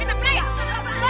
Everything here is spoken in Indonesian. kita datangin lagi ya nggak bu